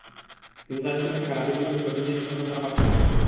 কিন্তু তাঁদের সঙ্গে থাকা রাজীব, লিখনসহ তিন জনের সন্ধান তাঁরা পাচ্ছেন না।